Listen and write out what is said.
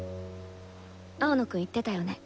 青野くん言ってたよね